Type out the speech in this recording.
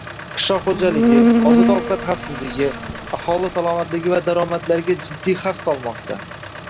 qishloq xo‘jaligi, oziq-ovqat xavfsizligi, aholi salomatligi va daromadlariga jiddiy xavf solmoqda;